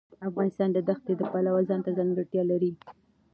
افغانستان د دښتې د پلوه ځانته ځانګړتیا لري.